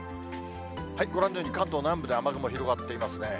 ご覧のように、関東南部で雨雲広がっていますね。